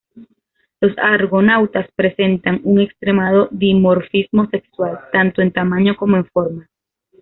Los argonautas presentan un extremado dimorfismo sexual, tanto en tamaño como en forma.